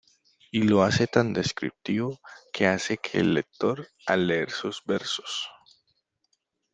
Y lo hace tan descriptivo, que hace que el lector, al leer sus versos.